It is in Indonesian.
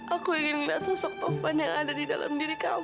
aku ingin melihat sosok tovan yang ada di dalam diri kamu